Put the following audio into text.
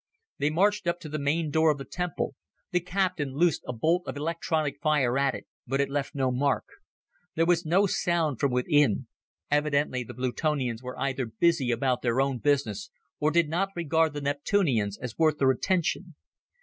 They marched up to the main door of the temple. The captain loosed a bolt of electronic fire at it, but it left no mark. There was no sound from within. Evidently the Plutonians were either busy about their own business, or did not regard the Neptunians as worth their attention.